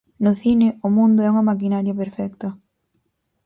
No cine, o mundo é unha maquinaria perfecta.